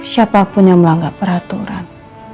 siapapun yang melanggar peraturan